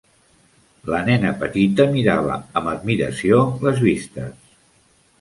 La nena petita mirava amb admiració les vistes.